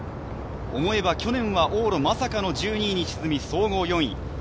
思えば去年は往路まさかの１２位の沈み、総合４位。